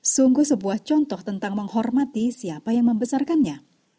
sungguh sebuah contoh tentang menghormati siapa yang membesarkannya